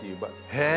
へえ！